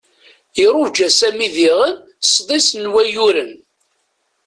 Iruja Sami diɣen sḍis n wayyuren.